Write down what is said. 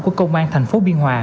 của công an thành phố biên hòa